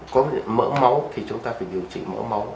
có mỡ máu thì chúng ta phải điều trị mỡ máu